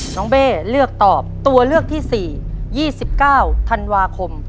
น้องเบเลือกตอบตัวเลือกที่สี่ยี่สิบเก้าธันวาคม